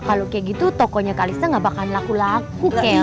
kalau kayak gitu tokonya kalista gak bakalan laku laku kayak gitu